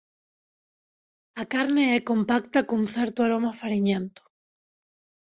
A carne é compacta cun certo aroma fariñento.